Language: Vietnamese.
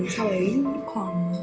sau đấy khoảng